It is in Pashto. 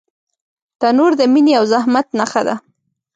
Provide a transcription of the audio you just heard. تنور د مینې او زحمت نښه ده